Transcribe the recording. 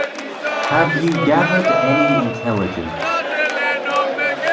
Have you gathered any intelligence?